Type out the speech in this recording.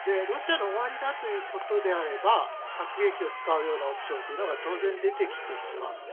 ロシアの終わりだということであれば、核兵器を使うようなオプションというのが当然、出てきてしまう。